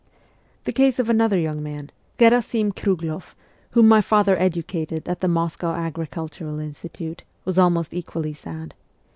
The case of another young man, Gherasim Krugl6ff, whom my father educated at the Moscow Agricultural Institute, was almost equally sad.